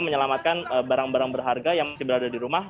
menyelamatkan barang barang berharga yang masih berada di rumah